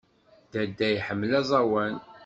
Dadda iḥemmel aẓawan.